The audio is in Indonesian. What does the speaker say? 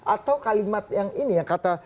atau kalimat yang ini ya kata